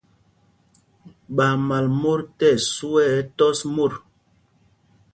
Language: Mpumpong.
Ɓaa mal mot tí ɛsu ɛ tɔs mot.